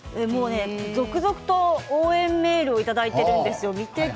続々と応援メールをいただいているんですよ。